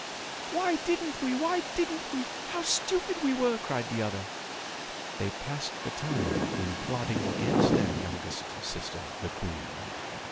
"Why didn't we! Why didn't we! How stupid we were!" cried the other. They passed the time in plotting against their youngest sister, the queen.